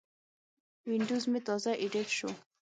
وینډوز مې تازه اپډیټ شو.